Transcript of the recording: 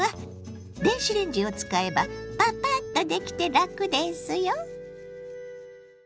電子レンジを使えばパパッとできて楽ですよ。